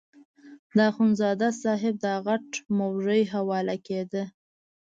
د اخندزاده صاحب دا غټ موږی حواله کېده.